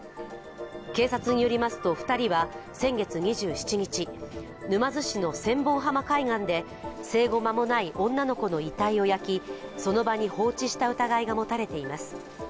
警察によりますと２人は先月２７日、沼津市の千本浜海岸で生後間もない女の子の遺体を焼き、その場に放置した疑いが持たれています。